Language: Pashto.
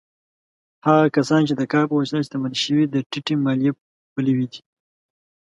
هغه کسان چې د کار په وسیله شتمن شوي، د ټیټې مالیې پلوي دي.